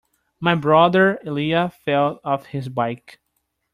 My brother Elijah fell off his bike.